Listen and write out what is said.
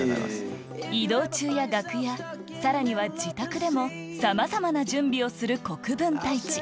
移動中や楽屋さらには自宅でもさまざまな準備をする国分太一